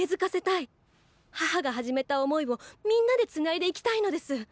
母が始めた想いをみんなでつないでいきたいのです。